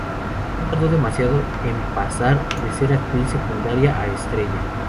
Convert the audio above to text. No tardó demasiado en pasar de ser actriz secundaria a estrella.